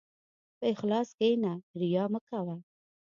په اخلاص کښېنه، ریا مه کوه.